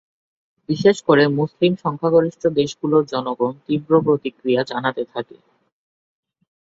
বিশেষ করে মুসলিম সংখ্যাগরিষ্ঠ দেশগুলোর জনগণ তীব্র প্রতিক্রিয়া জানাতে থাকে।